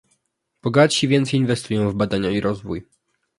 bogatsi więcej inwestują w badania i rozwój